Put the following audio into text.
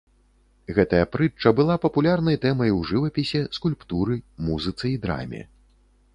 Гэтая прытча была папулярнай тэмай у жывапісе, скульптуры, музыцы і драме.